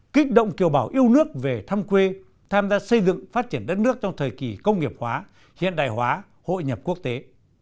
kích động kiều bảo yêu nước về thăm quê tham gia xây dựng phát triển đất nước trong thời kỳ công nghiệp hóa hiện đại hóa hội nhập quốc tế